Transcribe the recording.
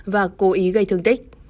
và cố ý gây thương tích